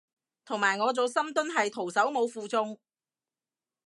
同埋我做深蹲係徒手冇負重